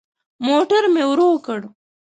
موټر مي ورو کړ .